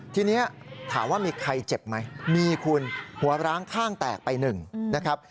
ทีนี้ถามว่ามีใครเจ็บไหมมีคุณหัวร้างข้างแตกไปหนึ่งนะครับ